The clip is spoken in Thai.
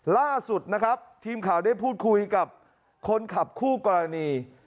ล่าสุดนะครับทีมข่าวได้พูดคุยกับคนขับคู่กรณี